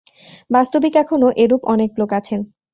বাস্তবিক এখনও এরূপ অনেক লোক আছেন।